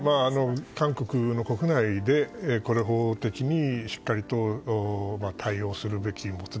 韓国の国内で法的にしっかり対応すべきこと。